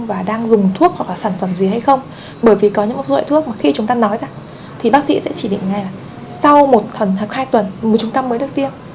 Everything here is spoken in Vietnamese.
và đang dùng thuốc hoặc là sản phẩm gì hay không bởi vì có những loại thuốc mà khi chúng ta nói ra thì bác sĩ sẽ chỉ định ngay là sau một tuần hoặc hai tuần chúng ta mới được tiêm